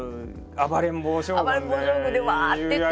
暴れん坊将軍でうわ！っていって。